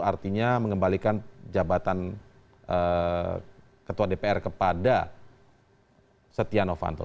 artinya mengembalikan jabatan ketua dpr kepada stiano vanto